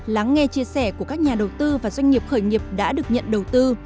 lắng nghe chia sẻ của các nhà đầu tư và doanh nghiệp khởi nghiệp đã được nhận đầu tư